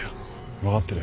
分かってるよ。